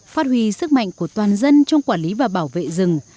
phát huy sức mạnh của toàn dân trong quản lý và bảo vệ rừng